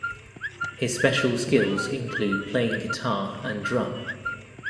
His special skills include playing guitar and drum.